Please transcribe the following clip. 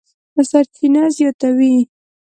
سرچینه زیاتوي،